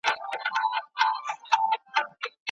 هغه تر بل چا اوږده پاڼه ډنډ ته ژر وړي.